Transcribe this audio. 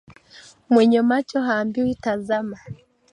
Mwenye macho haambiwi tazama